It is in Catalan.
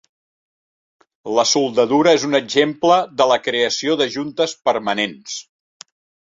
La soldadura és un exemple de la creació de juntes permanents.